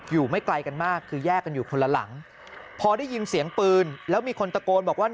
ไม่ไกลกันมากคือแยกกันอยู่คนละหลังพอได้ยินเสียงปืนแล้วมีคนตะโกนบอกว่า